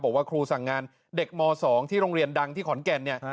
บอกว่าครูสั่งงานเด็กม๒ที่โรงเรียนดังที่ขอนแก่นเนี่ย